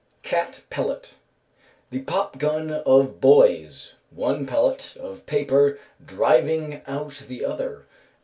Cat pellet. The pop gun of boys, one pellet of paper driving out the other.